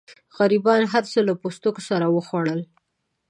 غریبانو هرڅه له پوستکو سره وخوړل.